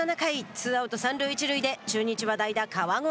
ツーアウト、三塁一塁で中日は代打川越。